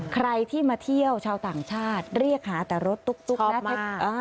ใครที่มาเที่ยวชาวต่างชาติเรียกหาแต่รถตุ๊กนะครับ